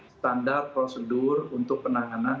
standar prosedur untuk penanganan